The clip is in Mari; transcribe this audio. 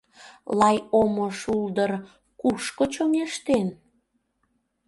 Лай омо шулдыр кушко чоҥештен?